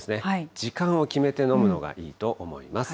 時間を決めて飲むのがいいと思います。